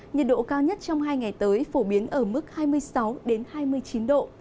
nhiệt độ cao nhất trong hai ngày tới phổ biến ở mức hai mươi sáu hai mươi chín độ